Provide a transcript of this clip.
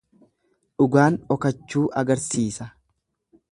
Dhugaan dhokachuu agarsiisa.